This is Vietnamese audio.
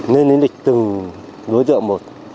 nên đến địch từng đối tượng một